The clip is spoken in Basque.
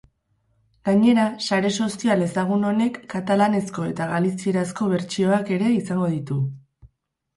Gainera, sare sozial ezagun honek katalanezko eta galizierazko bertsioak ere izango ditu.